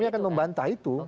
ya kami akan membantah itu